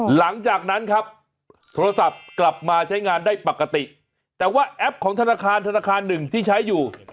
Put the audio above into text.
หลังจากนั้นครับโทรศัพท์กลับมาใช้งานได้ปกติแต่ว่าแอปของธนาคารธนาคารหนึ่งที่ใช้อยู่